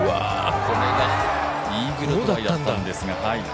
これがイーグルだったんですが。